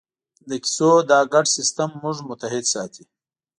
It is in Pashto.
د کیسو دا ګډ سېسټم موږ متحد ساتي.